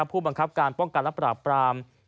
ผู้บังคับการป้องกันและปราบปราม